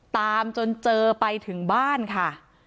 ตามจนเจอไปถึงบ้านค่ะ